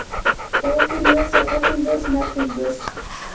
اووه پنځوس اتۀ پنځوس نهه پنځوس